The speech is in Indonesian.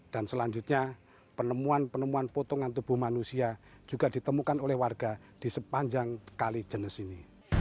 dan selanjutnya penemuan penemuan potongan tubuh manusia juga ditemukan oleh warga di sepanjang kali jenis ini